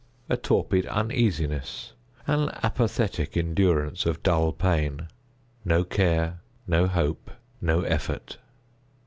A torpid uneasiness. An apathetic endurance of dull pain. No care—no hope—no effort.